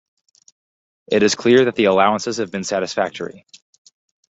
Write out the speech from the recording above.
It is clear that the allowances have been satisfactory.